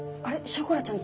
ショコラちゃん